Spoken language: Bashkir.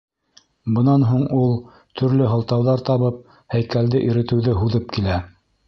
Бынан һуң ул, төрлө һылтауҙар табып, һәйкәлде иретеүҙе һуҙып килә.